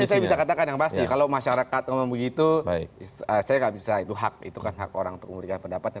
tapi saya bisa katakan yang pasti kalau masyarakat ngomong begitu saya nggak bisa itu hak itu kan hak orang untuk memberikan pendapat saya